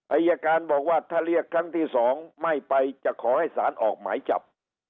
อายการบอกว่าถ้าเรียกครั้งที่๒ไม่ไปจะขอให้สารออกหมายจับ